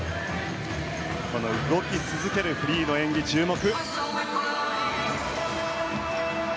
この動き続けるフリーの演技に注目。